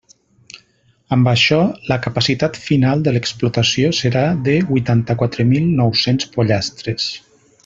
Amb això, la capacitat final de l'explotació serà de huitanta-quatre mil nou-cents pollastres.